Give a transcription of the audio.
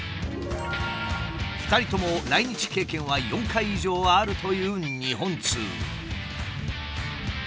２人とも来日経験は４回以上あるという日本通。